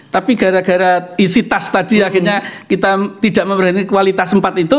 tapi gara gara isi tas tadi akhirnya kita tidak memperhatikan kualitas tempat itu